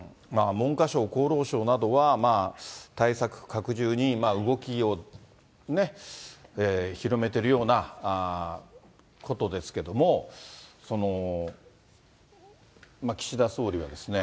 文科省、厚労省などは、対策拡充に動きを広めているようなことですけれども、岸田総理はですね。